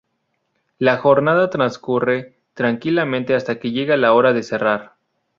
La jornada transcurre tranquila hasta que llega la hora de cerrar.